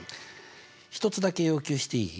一つだけ要求していい？